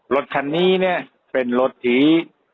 รถคันนี้เนี่ยเป็นรถที่